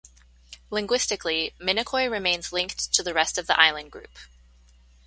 Linguistically, Minicoy remains linked to the rest of the island group.